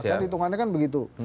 kan hitungannya kan begitu